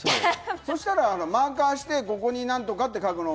そしたらマーカーして、ここに何とかって書くの？